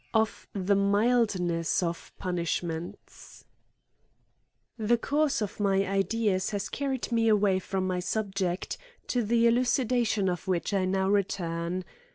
Of the Mildness of Punishments, THE course of my ideas has carried me away from my subject, to the elucidation of which I now return.